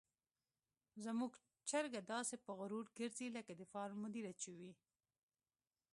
زموږ چرګه داسې په غرور ګرځي لکه د فارم مدیره چې وي.